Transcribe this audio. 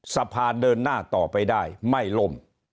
สภาเดินหน้าต่อไปได้ไม่ล่ม